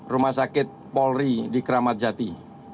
rumah sakit polri di kramatjati